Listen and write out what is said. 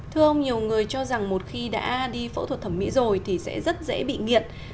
thưa ông nhiều người cho rằng một khi đã đi phẫu thuật thẩm mỹ rồi thì sẽ rất dễ bị nghiện